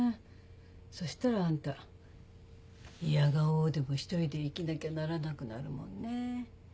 そしたらあんたいやが応でも１人で生きなきゃならなくなるもんね。